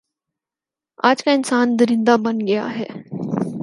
آج کا انسان درندہ بن گیا ہے